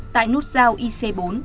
tại nút giao ic bốn